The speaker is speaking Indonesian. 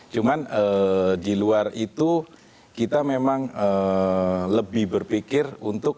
cuman di luar itu kita memang lebih berpikir untuk